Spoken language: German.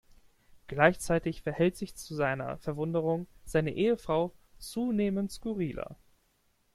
Gleichzeitig verhält sich zu seiner Verwunderung seine Ehefrau zunehmend skurriler.